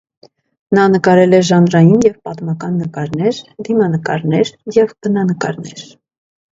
Նա նկարել է ժանրային և պատմական նկարներ, դիմանկարներ և բնանակարներ։